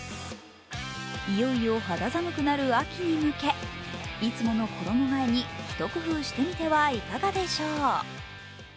いよいよ肌寒くなる秋に向け、いつもの衣がえにひと工夫してみてはいかがでしょう。